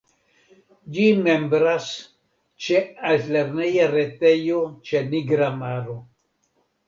Ĝi membras ĉe altlerneja retejo ĉe Nigra maro.